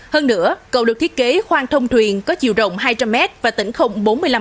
hơn nữa cầu được thiết kế khoang thông thuyền có chiều rộng hai trăm linh mét và tỉnh khung bốn mươi năm